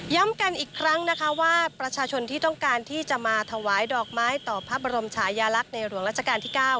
กันอีกครั้งนะคะว่าประชาชนที่ต้องการที่จะมาถวายดอกไม้ต่อพระบรมชายาลักษณ์ในหลวงราชการที่๙